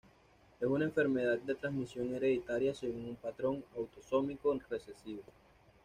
Es una enfermedad de transmisión hereditaria según un patrón autosómico recesivo.